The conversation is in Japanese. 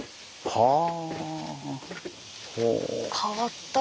はあ。